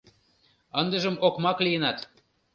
Ындыжым окмак лийынат.